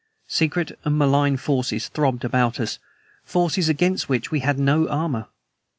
Secret and malign forces throbbed about us; forces against which we had no armor.